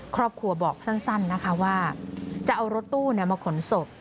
ครอบครัวบอกสั้นนะคะว่าจะเอารถตู้มาขนศพ